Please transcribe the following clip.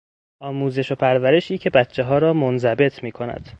آموزش و پرورشی که بچهها را منضبط میکند.